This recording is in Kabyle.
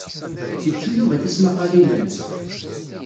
Yettu Yuba tismaqqalin-nnes.